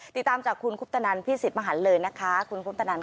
ติดตามจากคุณคุ้บตนันพี่ศิษย์มาหันเลยนะคะคุณคุ้บตนันค่ะ